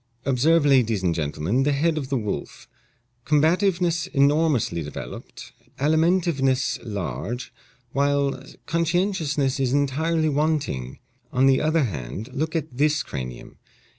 "Observe, ladies and gentlemen, the head of the wolf: combativeness enormously developed, alimentiveness large, while conscientiousness is entirely wanting. On the other hand, look at this cranium.